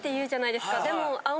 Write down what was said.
でも。